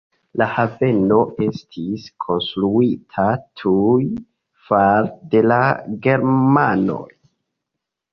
La haveno estis konstruita tuj fare de la germanoj.